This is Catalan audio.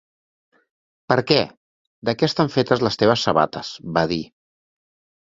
"Per què, de què estan fetes les teves sabates?" va dir.